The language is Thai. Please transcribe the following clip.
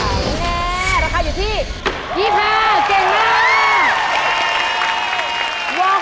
นี่แน่ราคาอยู่ที่๒๕บาทเก่งมาก